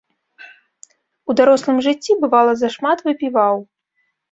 У дарослым жыцці бывала зашмат выпіваў.